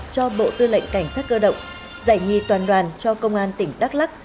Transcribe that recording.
cho bộ tư lệnh cảnh sát cơ động giải nhì toàn đoàn cho công an tỉnh đắk lắc